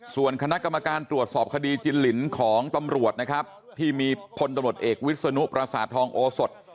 ส่วนคณะกรรมการตรวจสอบคดีจินลินของตำรวจนะครับที่มีพลตำรวจเอกวิศนุปราสาททองโอสด